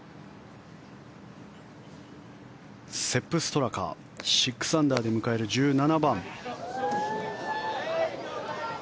セップ・ストラカ６アンダーで迎える１７番。